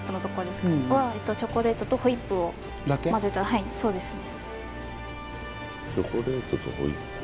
はいそうですね